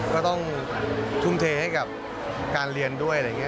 ก็ต้องทุ่มเทให้กับการเรียนด้วยอะไรอย่างนี้